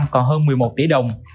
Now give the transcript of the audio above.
còn hơn một mươi một triệu đồng